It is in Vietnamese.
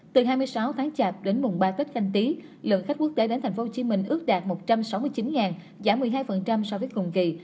từ hai mươi sáu tháng chạp đến mùng ba tết canh tí lượng khách quốc tế đến tp hcm ước đạt một trăm sáu mươi chín giảm một mươi hai so với cùng kỳ